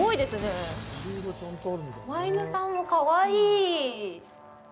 こま犬さんも、かわいい。